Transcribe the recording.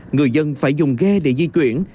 người dân phải dùng ghe để di chuyển